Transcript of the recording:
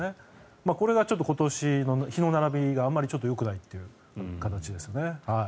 これが、今年の日の並びがあまりよくないという形ですね。